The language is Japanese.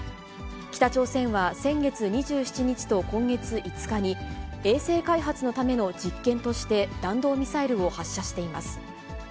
北朝鮮は先月２７日と今月５日に、衛星開発のための実験として、弾道ミサイルを発射しています。